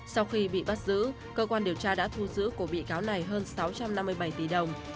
sau khi bị bắt giữ cơ quan điều tra đã thu giữ của bị cáo này hơn sáu trăm năm mươi bảy tỷ đồng